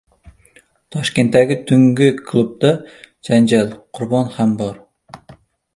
Toshkentdagi tungi klubda janjal: qurbon ham bor